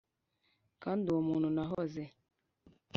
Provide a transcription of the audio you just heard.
kandi uwo muntu nahoze